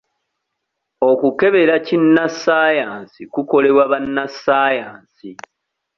Okukebera kinnassaayansi kukolebwa bannassaayansi.